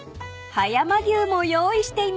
［葉山牛も用意しています］